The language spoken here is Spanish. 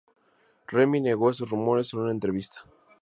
Remy negó estos rumores en una entrevista.